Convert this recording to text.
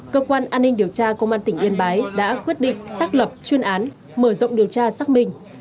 cơ quan an ninh điều tra công an tỉnh yên bái đã quyết định xác lập chuyên án mở rộng điều tra xác minh